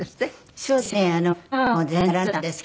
そうですね。